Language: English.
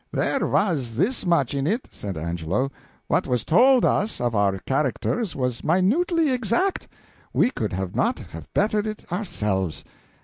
"There was this much in it," said Angelo: "what was told us of our characters was minutely exact we could not have bettered it ourselves.